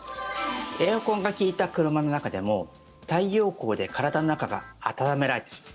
エアコンが利いた車の中でも太陽光で体の中が温められてしまう。